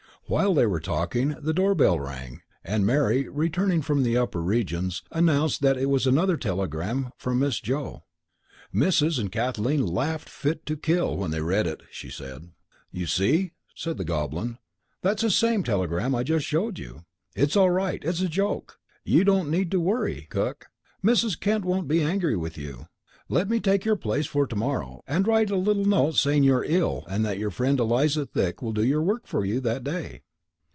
While they were talking the door bell rang, and Mary, returning from the upper regions, announced that it was "another telegram from Miss Joe. Missus and Miss Kathleen laughed fit to kill when they read it," she said. "You see?" said the Goblin. "That's the same telegram I just showed you. It's all right; it's a joke. You don't need to worry, cook. Mrs. Kent won't be angry with you. You let me take your place for to morrow, and write a little note saying you're ill and that your friend Eliza Thick will do your work for the day."